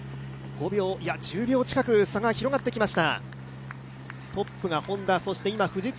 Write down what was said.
５秒、いや１０秒近く差が広がってきました。